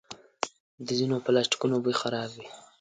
د ځینو پلاسټیکونو بوی خراب وي.